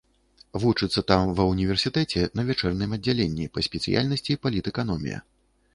Вучыцца там ва універсітэце, на вячэрнім аддзяленні па спецыяльнасці палітэканомія.